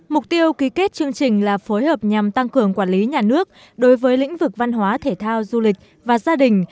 mục tiêu ký kết chương trình là phối hợp nhằm tăng cường quản lý nhà nước đối với lĩnh vực văn hóa thể thao du lịch và gia đình